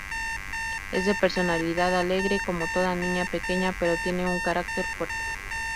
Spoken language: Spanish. Es de personalidad alegre como toda niña pequeña, pero tiene un carácter fuerte.